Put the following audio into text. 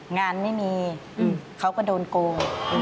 งานไม่มีเขาก็โดนโกง